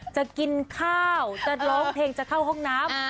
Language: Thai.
จะกินข้าวจะร้องเพลงจะเข้าห้องน้ำ